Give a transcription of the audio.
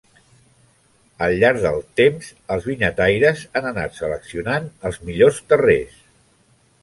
Al llarg del temps els vinyataires han anat seleccionant els millors terrers.